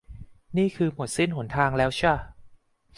นี่คือหมดสิ้นหนทางแล้วช่ะ